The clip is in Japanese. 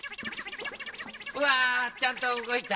うわちゃんとうごいた。